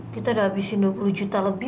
kita udah habisin dua puluh juta lebih